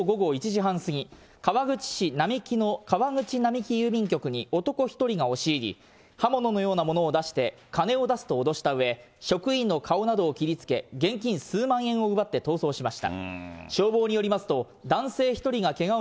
警察によりますと、きょう午後１時半過ぎ、川口市なみきの川口なみき郵便局に男１人が押し入り、刃物のようなものを出して、金を出せと脅したうえ、職員の顔などを切りつけ、現金数万円を奪って逃走しました。